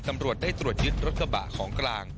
ตำรวจได้ตรวจยึดรถกระบะของกลาง